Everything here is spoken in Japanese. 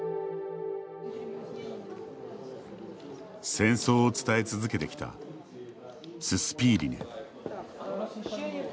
戦争を伝え続けてきたススピーリネ。